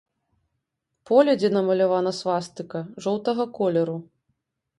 Поле, дзе намалявана свастыка, жоўтага колеру.